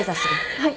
はい。